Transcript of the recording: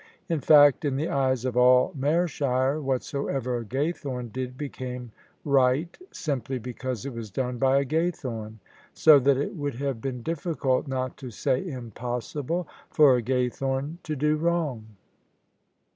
In fact in the eyes of all Mershire whatsoever a Ga]rthome did became right simply because it was done by a Gaythome: so that it would have been difficult — not to say impossible — for a Gaythome to do wrong.